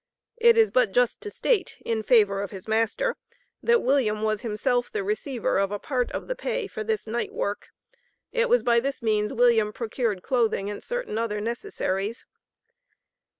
It is but just to state, in favor of his master, that William was himself the receiver of a part of the pay for this night work. It was by this means William procured clothing and certain other necessaries.